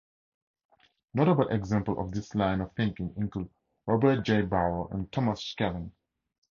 Notable examples of this line of thinking include Robert J. Barro and Thomas Schelling.